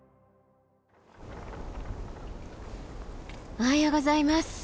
おはようございます。